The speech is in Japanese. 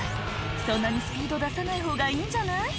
そんなにスピード出さない方がいいんじゃない？